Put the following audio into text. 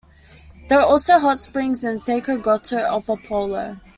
There are also hot springs and a sacred grotto of Apollo.